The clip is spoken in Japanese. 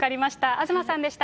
東さんでした。